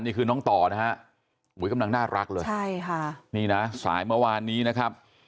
นี่คือน้องต่อนะฮะกำลังน่ารักเลยใช่ค่ะนี่นะสายเมื่อวานนี้นะครับ